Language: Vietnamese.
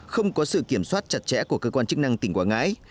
không có sự kiểm soát chặt chẽ của cơ quan chức năng tỉnh quảng ngãi